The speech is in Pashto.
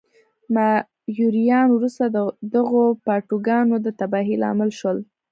مایوریان وروسته د دغو ټاپوګانو د تباهۍ لامل شول.